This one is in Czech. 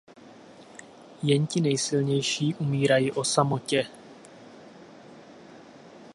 Jen ti nejsilnější umírají o samotě.